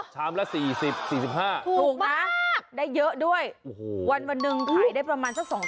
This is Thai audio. เตี๋ยวเนื้อ๔๕บาทใช่